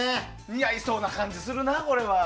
似合いそうな感じするな、これは。